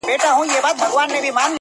لا یې ځای نه وو معلوم د کوم وطن وو!